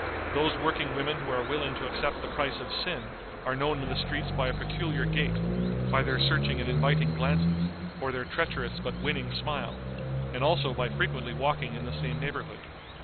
Those working women who are willing to accept the price of sin are known in the streets by a peculiar gait, by their searching and inviting glances, or their treacherous but winning smile, and also by frequently walking in the same neighborhood.